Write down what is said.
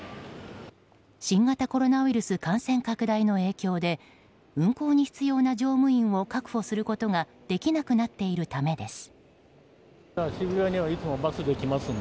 新型コロナウイルス感染拡大の影響で運行に必要な乗務員を確保することができなくなっているためです。